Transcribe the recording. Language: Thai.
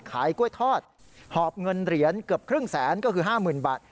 ขายกล้วยทอดหอบเงินเหรียญเกือบครึ่งแสนก็คือ๕๐๐๐บาท